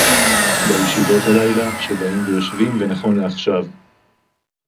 בישיבות הלילה, שבאים ויושבים, ונכון לעכשיו